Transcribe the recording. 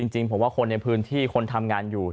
จริงผมว่าคนที่ผู้ทำงานอยู่